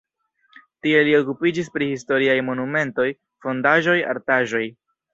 Tie li okupiĝis pri historiaj monumentoj, fondaĵoj, artaĵoj.